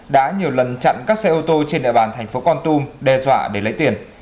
đã nhiều lần chặn các xe ô tô trên địa bàn thành phố con tum đe dọa để lấy tiền